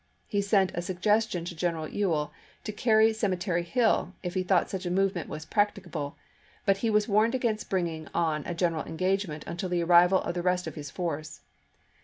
He sent a suggestion to General Ewell to carry Cemetery Hill, if he thought such a movement was practicable, but he was warned against bringing on a general engagement until the arrival of the rest of his force.